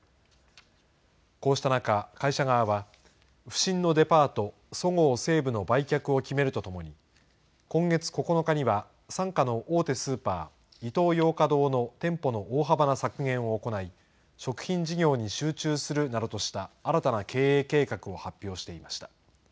こうした中、会社側は、不振のデパート、そごう・西武の売却を決めるとともに、今月９日には傘下の大手スーパー、イトーヨーカ堂の店舗の大幅な削減を行い、食品事業に集中するなどとした、新たな経営計画を発表していました。